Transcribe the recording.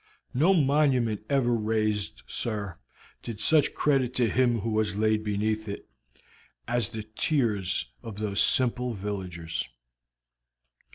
No monument ever raised, sir, did such credit to him who was laid beneath it as the tears of those simple villagers."